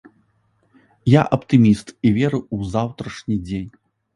Я аптыміст і веру ў заўтрашні дзень.